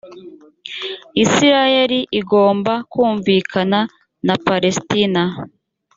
isirayeli igomba kumvikana na palestina